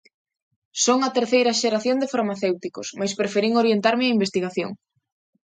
Son a terceira xeración de farmacéuticos, mais preferín orientarme á investigación.